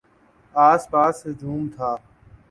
آس پاس ہجوم تھا۔